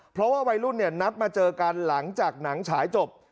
เพราะว่าวัยรุ่นนัดมาเจอกันหลังจากหนังฉายจบ